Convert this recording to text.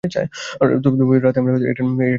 তবে রাতে আমরা এটা নিয়ে কথা বলবো, সোনা।